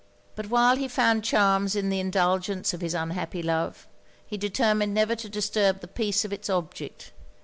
But while he found charms in the indulgence of his unhappy love, he determined never to disturb the peace of it's object.